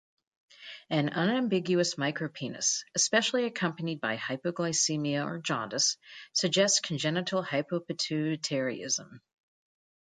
An unambiguous micropenis, especially accompanied by hypoglycemia or jaundice, suggests congenital hypopituitarism.